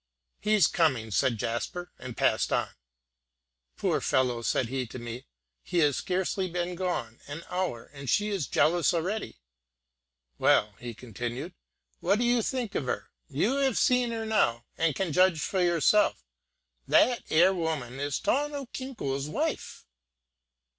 "He's coming," said Jasper, and passed on. "Poor fellow," said he to me, "he has scarcely been gone an hour, and she is jealous already. Well," he continued, "what do you think of her? you have seen her now, and can judge for yourself that 'ere woman is Tawno Chikno's wife!"